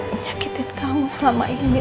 menyakitin kamu selama ini